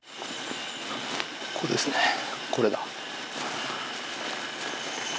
ここですね、これだ。